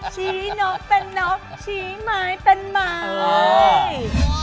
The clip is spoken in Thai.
ชี้นกเป็นนกชี้ไม้เป็นไม้